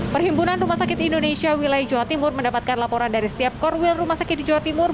perhimpunan rumah sakit indonesia wilayah jawa timur mendapatkan laporan dari setiap korwil rumah sakit di jawa timur